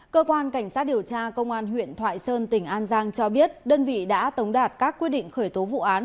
cơ quan cảnh sát điều tra công an huyện thoại sơn tỉnh an giang cho biết đơn vị đã tống đạt các quyết định khởi tố vụ án